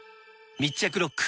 密着ロック！